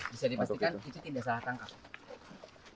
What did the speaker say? bisa dipastikan itu tidak salah tangkap